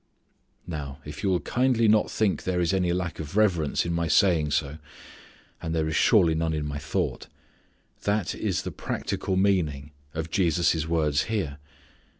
Now if you will kindly not think there is any lack of reverence in my saying so and there is surely none in my thought that is the practical meaning of Jesus' words here.